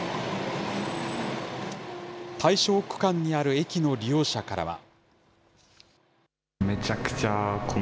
対象区間にある駅の利用者からは。